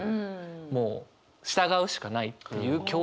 もう従うしかないっていう強烈な。